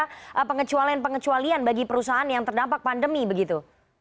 ada pengecualian pengecualian bagi perusahaan yang terdampak pandemi begitu